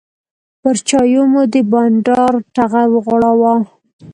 پر چایو مو د بانډار ټغر وغوړاوه.